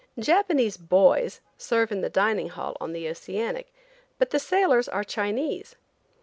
Japanese "boys" serve in the dining hall on the Oceanic, but the sailors are Chinese.